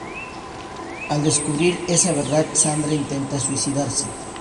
Al descubrir esa verdad, Sandra intenta suicidarse.